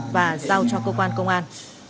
và giao cho cơ quan công an